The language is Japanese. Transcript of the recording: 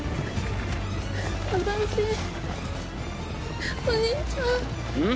私お兄ちゃんうん？